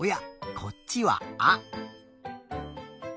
こっちは「あ」。